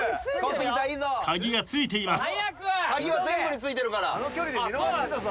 鍵が付いています。